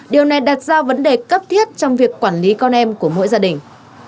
điều này đặt ra vấn đề cấp thiết trong việc quản lý con em của mỗi gia đình